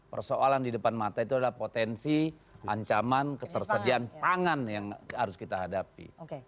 persoalan di depan mata itu adalah potensi ancaman ketersediaan pangan yang harus kita hadapi